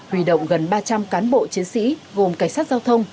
huy động gần ba trăm linh cán bộ chiến sĩ gồm cảnh sát giao thông